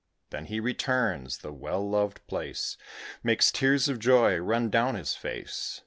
Then he returns: the well loved place Makes tears of joy run down his face.